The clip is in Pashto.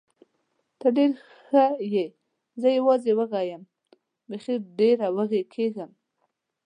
ته ډېره ښه یې، زه یوازې وږې یم، بېخي ډېره وږې کېږم.